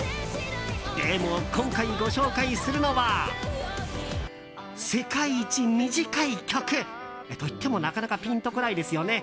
でも、今回ご紹介するのは世界一短い曲。と、いってもなかなかピンとこないですよね。